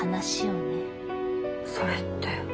それって。